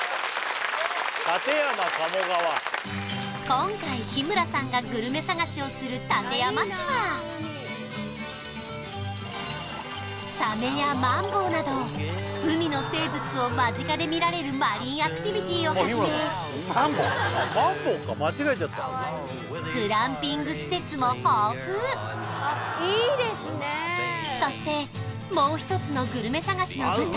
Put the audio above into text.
今回日村さんがグルメ探しをする館山市はサメやマンボウなど海の生物を間近で見られるマリンアクティビティをはじめ施設も豊富そしてもう一つのグルメ探しの舞台